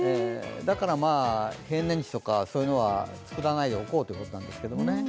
だから平年値とかそういうのは作らないでおこうということなんですけどね。